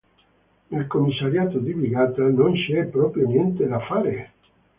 Nel commissariato di Vigata non c'è proprio niente da fare.